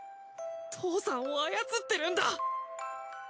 父さんを操ってるんだ！